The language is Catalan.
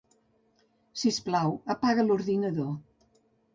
Sisplau, apaga l'ordinador.